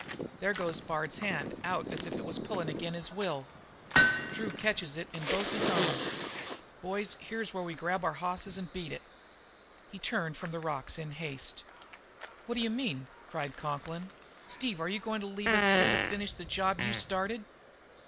There goes Bard's hand out as if it was pulled ag'in' his will. Drew catches it in both his own. Boys, here's where we grab our hosses and beat it." He turned from the rocks in haste. "What d'you mean?" cried Conklin. "Steve, are you goin' to leave us here to finish the job you started?"